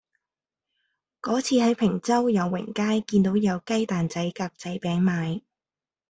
嗰次喺坪洲友榮街見到有雞蛋仔格仔餅賣